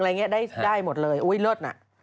๑๐๐๐อะไรอย่างนี้ได้หมดเลยโอ๊ยเลิศน่ะ